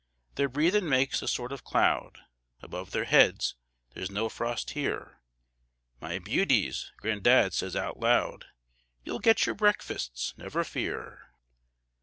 Their breathin' makes a sort of cloud Above their heads there's no frost here. "My beauties," gran'dad says out loud, "You'll get your breakfasts, never fear."